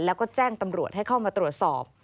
แล้วก็แจ้งตำรวจให้เข้ามาตรวจสอบ